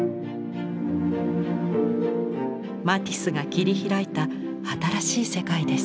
マティスが切り開いた新しい世界です。